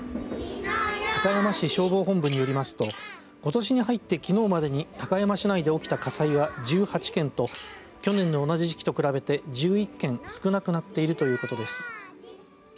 高山市消防本部によりますとことしに入って、きのうまでに高山市内で起きた火災は１８件と去年の同じ時期と比べて１１件少なくなっているということです。